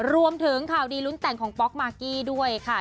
รวมถึงข่าวดีลุ้นแต่งของป๊อกมากกี้ด้วยค่ะ